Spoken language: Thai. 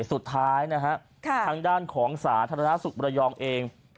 สุดท้ายนะฮะทางด้านของสาธารณสุขบรยองเอง